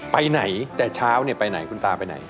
ไปไหนแต่เช้าไปไหนคุณตาไปไหน